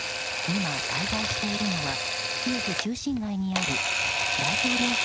今、滞在しているのはキエフ中心街にある大統領